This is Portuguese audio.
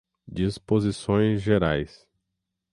Disposições Gerais